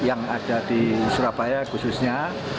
yang ada di surabaya khususnya